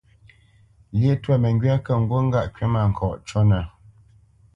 Lyéʼ twâ məŋgywá kə̂ ŋgût ŋgâʼ kywítmâŋkɔʼ cúnə̄.